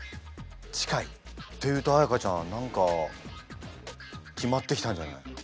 近い。というと彩歌ちゃん何か決まってきたんじゃない？